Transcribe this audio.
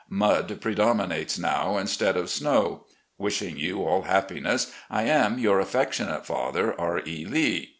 Mud predominates now instead of snow. ... Wishing you all happiness, 1 am, Your affectionate father, R. E. Lee.